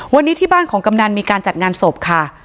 วันนี้ที่บ้านของกำนันมีการจัดงานศพค่ะ